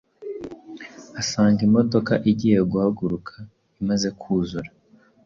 asanga imodoka igiye guhaguruka imaze kuzura,